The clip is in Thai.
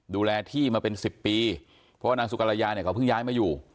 ดูแลที่มาเป็นสิบปีเพราะว่านางสุกรยาเนี่ยเขาเพิ่งย้ายมาอยู่